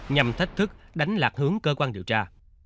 nhằm thách thức đánh lạc hướng cơ quan điều tra